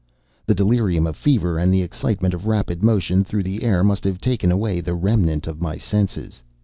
The delirium of fever and the excitement of rapid motion through the air must have taken away the remnant of my senses.